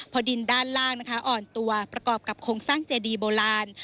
พอดินด้านล่างนะคะอ่อนตัวประกอบกับโครงสร้างเจดีโบราณ